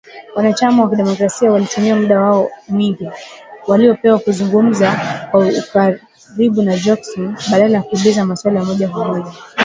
Wana chama wakidemokrasia walitumia muda wao mwingi waliopewa kuzungumza kwa ukaribu na Jackson badala ya kuuliza maswali ya moja kwa moja